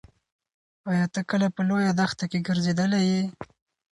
ایا ته کله په یوه لویه دښته کې ګرځېدلی یې؟